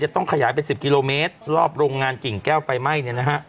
ต้องขยายไป๑๐กิโลเมตรรอบโรงงานกิ่งแก้วไฟไหม้เนี่ยนะฮะ